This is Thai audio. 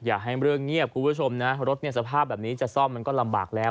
อย่าให้เรื่องเงียบคุณผู้ชมนะรถเนี่ยสภาพแบบนี้จะซ่อมมันก็ลำบากแล้ว